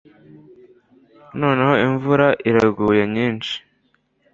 noneho imvura iraguye nyinshi